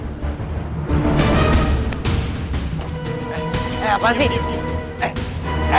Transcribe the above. eh lu apaan sih ya